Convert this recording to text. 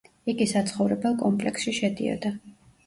იგი საცხოვრებელ კომპლექსში შედიოდა.